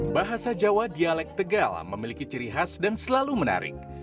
bahasa jawa dialek tegal memiliki ciri khas dan selalu menarik